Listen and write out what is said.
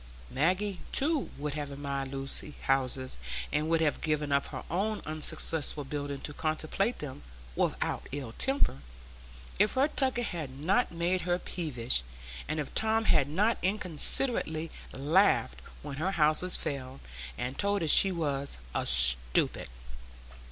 Maggie, too, would have admired Lucy's houses, and would have given up her own unsuccessful building to contemplate them, without ill temper, if her tucker had not made her peevish, and if Tom had not inconsiderately laughed when her houses fell, and told her she was "a stupid."